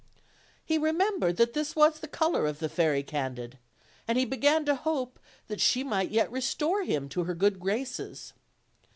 He remembered that this was the color of the Fairy Candid, and he began to hope that she might yet restore him to her good graces.